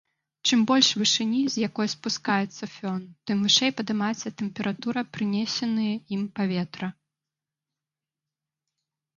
Чым больш вышыні, з якой спускаецца фён, тым вышэй падымаецца тэмпература прынесеныя ім паветра.